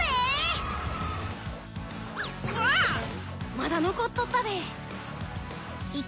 まだ残っとったで。